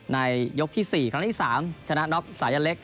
ในยกที่๔ครั้งที่๓ชนะน็อกสายันเล็ก